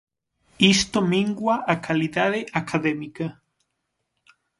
Isto mingua a calidade académica.